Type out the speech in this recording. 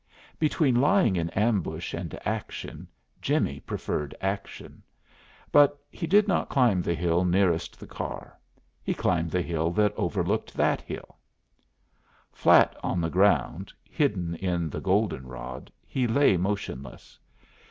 Between lying in ambush and action, Jimmie preferred action. But, he did not climb the hill nearest the car; he climbed the hill that overlooked that hill. Flat on the ground, hidden in the goldenrod, he lay motionless.